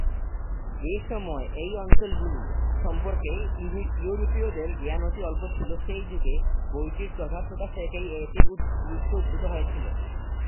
যে সময়ে এই অঞ্চলগুলি সম্পর্কে ইউরোপীয়দের জ্ঞান অতি অল্প ছিল, সেই যুগে বইটির যথার্থতা থেকেই এটির গুরুত্ব উদ্ভূত হয়েছিল।